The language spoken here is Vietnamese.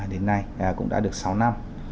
đến nay cũng đã được sáu năm